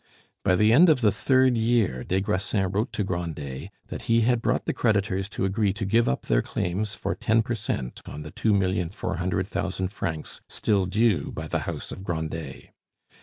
By the end of the third year des Grassins wrote to Grandet that he had brought the creditors to agree to give up their claims for ten per cent on the two million four hundred thousand francs still due by the house of Grandet.